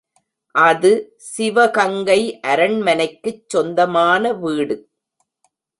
அது, சிவகங்கை அரண்மனைக்குச் சொந்தமான வீடு.